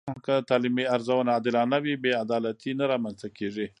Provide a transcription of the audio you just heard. که تعلیمي ارزونه عادلانه وي، بې عدالتي نه رامنځته کېږي.